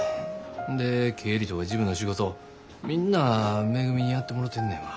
で経理とか事務の仕事みんなめぐみにやってもろてんねんわ。